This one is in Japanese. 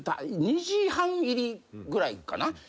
２時半入りぐらいかな？